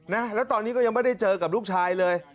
นะแล้วตอนนี้ก็ยังไม่ได้เจอกับลูกชายเลย